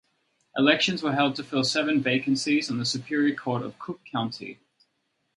Elections were held to fill seven vacancies on the Superior Court of Cook County.